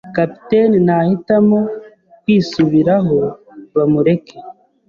Kapiteni nahitamo kwisubiraho bamureke